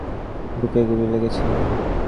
তাঁর বুকে গুলি লেগেছিল, তাঁর হয়ে গেছে।